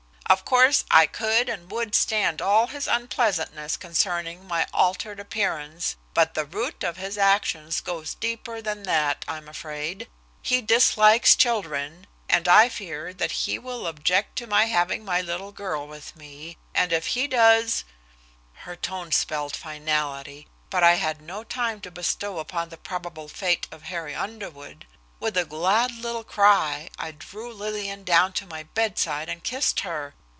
Of course I could and would stand all his unpleasantness concerning my altered appearance, but the root of his actions goes deeper than that, I am afraid. He dislikes children, and I fear that he will object to my having my little girl with me. And if he does " Her tone spelled finality but I had no time to bestow upon the probable fate of Harry Underwood. With a glad little cry, I drew Lillian down to my bedside and kissed her.